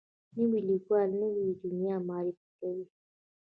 نوی لیکوال نوې دنیا معرفي کوي